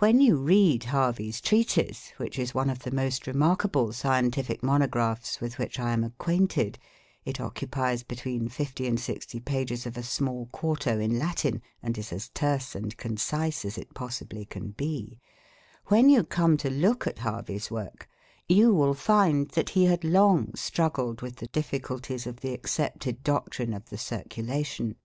When you read Harvey's treatise, which is one of the most remarkable scientific monographs with which I am acquainted it occupies between 50 and 60 pages of a small quarto in Latin, and is as terse and concise as it possibly can be when you come to look at Harvey's work, you will find that he had long struggled with the difficulties of the accepted doctrine of the circulation.